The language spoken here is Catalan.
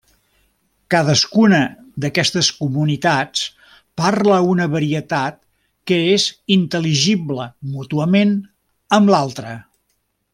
Cadascuna d'aquestes comunitats parla una varietat que és intel·ligible mútuament amb l'altre.